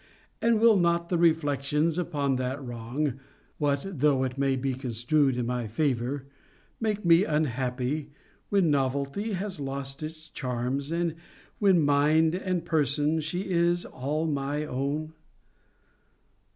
And will not the reflections upon that wrong (what though it may be construed in my favour?*) make me unhappy, when novelty has lost its charms, and when, mind and person, she is all my own?